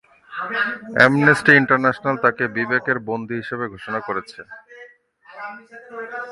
Amnesty International তাকে বিবেকের বন্দী হিসেবে ঘোষণা করেছে।